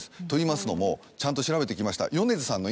といいますのもちゃんと調べてきました。